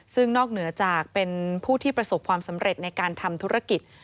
ซึ่งนอกเหนือจากเป็นผู้ที่ประสบความสำเร็จในการทำธุรกิจ